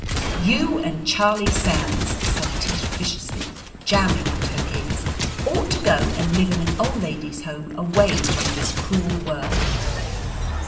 "You and Charlie Sands," said Tish viciously, jamming at her gears, "ought to go and live in an old ladies' home away from this cruel world."